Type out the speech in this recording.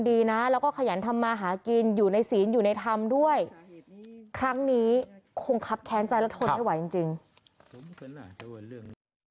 ดีนะแล้วก็ขยันทำมาหากินอยู่ในศีลอยู่ในธรรมด้วยครั้งนี้คงครับแค้นใจแล้วทนไม่ไหวจริง